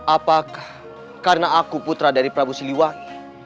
apakah karena aku putra dari prabu siliwan